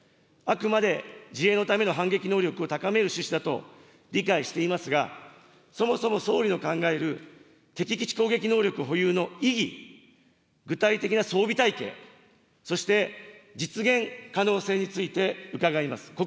あくまで自衛のための反撃能力を高める趣旨だと理解していますが、そもそも総理の考える敵基地攻撃能力保有の意義、具体的な装備体系、そして、実現可能性について伺います。